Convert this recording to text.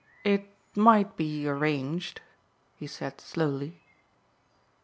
"It might be arranged," he said slowly.